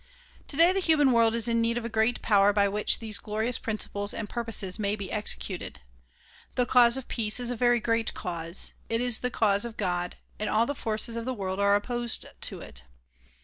Today the human world is in need of a great power by which these glorious principles and purposes may be executed. The cause of peace is a very great cause; it is the cause of God, and all the forces of the world are opposed to it.